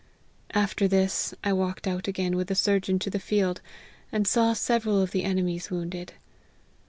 After this, I walked out again with the surgeon to the field, and saw several of the enemy's wounded.